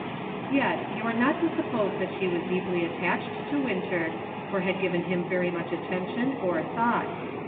Yet you are not to suppose that she was deeply attached to Winter, or had given him very much attention or thought.